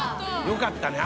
よかったね。